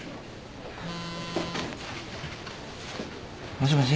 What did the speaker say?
もしもし？